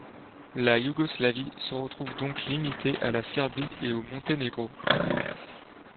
La Yougoslavie se retrouve donc limitée à la Serbie et au Monténégro.